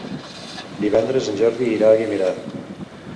Divendres en Jordi irà a Guimerà.